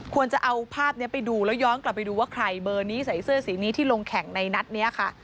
จะเอาภาพนี้ไปดูแล้วย้อนกลับไปดูว่าใครเบอร์นี้ใส่เสื้อสีนี้ที่ลงแข่งในนัดนี้ค่ะ